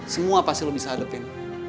semua pasti lo bisa hadapin